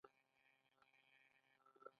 آیا میرآب د اوبو د ویش مسوول نه وي؟